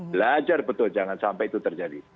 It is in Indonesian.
belajar betul jangan sampai itu terjadi